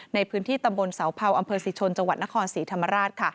ในพื้นที่ตำบลเสาเผาอำเภอศรีชนจังหวัดนครศรีธรรมราช